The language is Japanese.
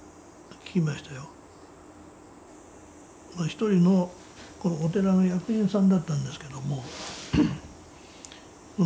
一人のこのお寺の役員さんだったんですけども。